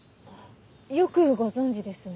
よくご存じですね。